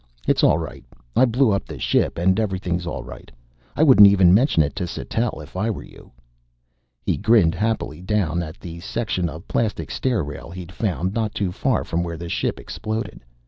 "It's all right. I blew up the ship and everything's all right. I wouldn't even mention it to Sattell if I were you." He grinned happily down at a section of plastic stair rail he'd found not too far from where the ship exploded.